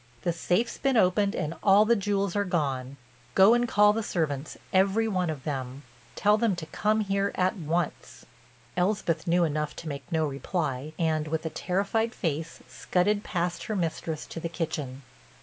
The safe's been opened and all the jewels are gone. Go and call the servants, every one of them. Tell them to come here at once." Elspeth knew enough to make no reply, and, with a terrified face, scudded past her mistress to the kitchen.